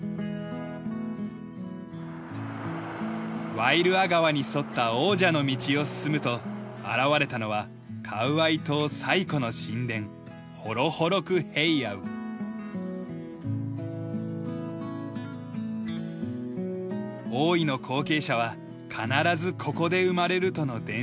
ワイルア川に沿った「王者の道」を進むと現れたのはカウアイ島最古の神殿王位の後継者は必ずここで生まれるとの伝説を語る男性。